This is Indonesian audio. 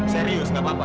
serius gak apa apa